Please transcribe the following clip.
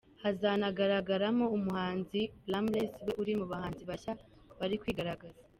Hazanagaragaramo umuhanzi Blamless we uri mu bahanzi bashya bari kwigaragaza.